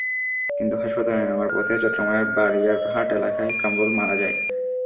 কিন্তু হাসপাতালে নেওয়ার পথে চট্টগ্রামের বারইয়ার হাট এলাকায় কামরুল মারা যায়।